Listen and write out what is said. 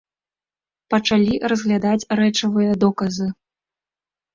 Пачалі разглядаць рэчавыя доказы.